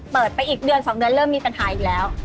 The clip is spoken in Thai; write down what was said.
เปิดไปอีกเดือน๒เดือนเริ่มมีปัญหาอีกแล้ว